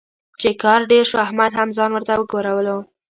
چې کار ډېر شو، احمد هم ځان ورته وګرولو.